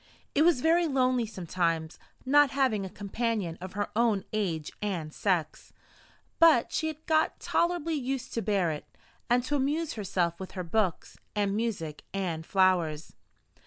It was very lonely sometimes not having a companion of her own age and sex; but she had got tolerably used to bear it, and to amuse herself with her books, and music, and flowers.